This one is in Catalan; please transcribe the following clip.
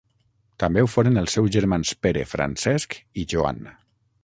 També ho foren els seus germans Pere, Francesc i Joan.